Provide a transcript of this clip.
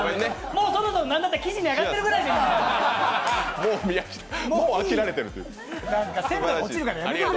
もうそろそろ、なんだったら記事に上がってるぐらいだよ！